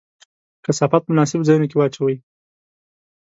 کثافات په مناسبو ځایونو کې واچوئ.